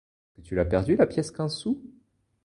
Est-ce que tu l'as perdue, la pièce-quinze-sous?